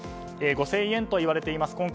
５０００円といわれています